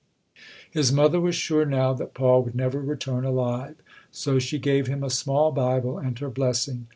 His mother was sure now that Paul would never return alive, so she gave him a small Bible and her blessing.